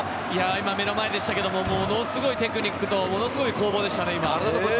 今、目の前でしたけど、ものすごいテクニックと、ものすごい攻防でしたね。